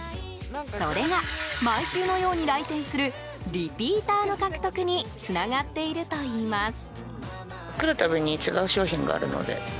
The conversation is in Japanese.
それが、毎週のように来店するリピーターの獲得につながっているといいます。